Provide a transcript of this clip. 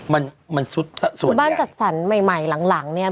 มันมันซุดสะสมหมู่บ้านจัดสรรใหม่ใหม่หลังหลังเนี้ย